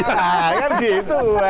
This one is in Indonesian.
ya kan gitu